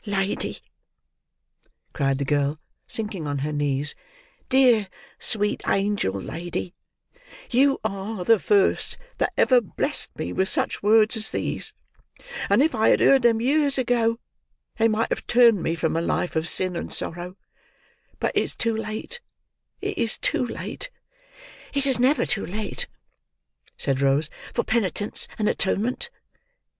"Lady," cried the girl, sinking on her knees, "dear, sweet, angel lady, you are the first that ever blessed me with such words as these, and if I had heard them years ago, they might have turned me from a life of sin and sorrow; but it is too late, it is too late!" "It is never too late," said Rose, "for penitence and atonement."